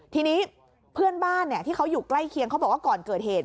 ทีนี้เพื่อนบ้านที่เขาอยู่ใกล้เคียงเขาบอกว่าก่อนเกิดเหตุ